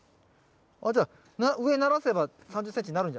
あっじゃあ上ならせば３０ｃｍになるんじゃない？